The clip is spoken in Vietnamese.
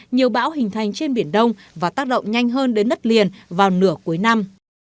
nhiều bão hình thành trên biển đông và tác động nhanh hơn đến đất liền vào nửa cuối năm